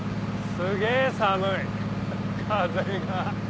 すげぇ寒い風が。